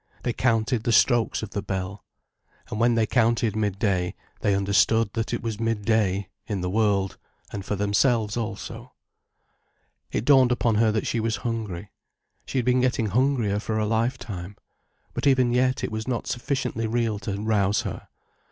They counted the strokes of the bell. And when they counted midday, they understood that it was midday, in the world, and for themselves also. It dawned upon her that she was hungry. She had been getting hungrier for a lifetime. But even yet it was not sufficiently real to rouse her.